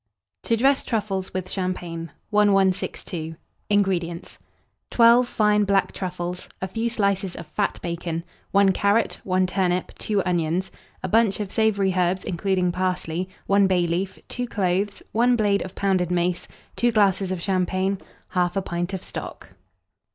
TO DRESS TRUFFLES WITH CHAMPAGNE. 1162. INGREDIENTS. 12 fine black truffles, a few slices of fat bacon, 1 carrot, 1 turnip, 2 onions, a bunch of savoury herbs, including parsley, 1 bay leaf, 2 cloves, 1 blade of pounded mace, 2 glasses of champagne, 1/2 pint of stock.